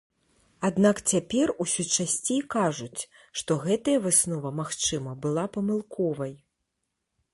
Аднак цяпер усё часцей кажуць, што гэтая выснова, магчыма, была памылковай.